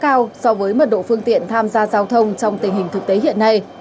điều này cũng khá cao so với mật độ phương tiện tham gia giao thông trong tình hình thực tế hiện nay